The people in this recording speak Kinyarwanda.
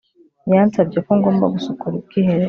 yansabye ko ngomba gusukura ubwiherero